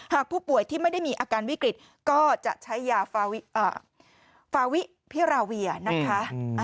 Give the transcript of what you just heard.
หากผู้ป่วยที่ไม่ได้มีอาการวิกฤตก็จะใช้ยาฟาวิพิราเวียนะคะ